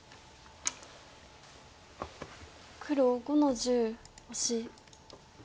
黒５の十オシ。